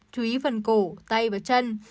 chú ý phần cổ tay và chân